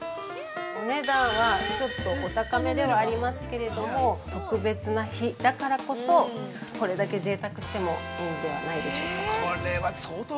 ◆お値段はちょっとお高めではありますけれども、特別な日だからこそこれだけぜいたくしてもいいんではないでしょうか。